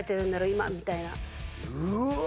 今みたいなうわ